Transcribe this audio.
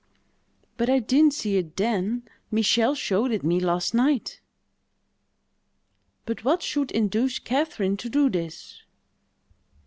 "But I didn't see it then. Michel showed it me last night." "But what should induce Catherine to do this?"